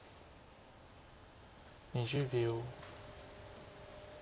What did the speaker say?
２０秒。